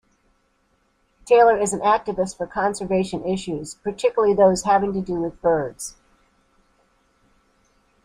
Taylor is an activist for conservation issues, particularly those having to do with birds.